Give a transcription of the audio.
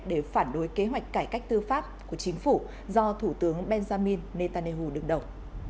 để phản đối kế hoạch cải cách tư pháp của chính phủ do thủ tướng benjamin netanyahu đứng đầu